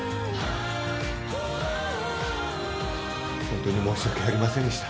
ホントに申し訳ありませんでした。